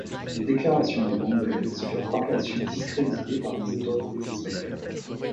Les déclarations de González furent par la suite discréditées par les autorités espagnoles.